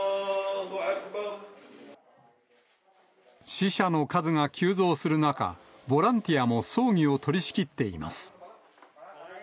死者の数が急増する中、ボランティアも葬儀を取り仕切っています。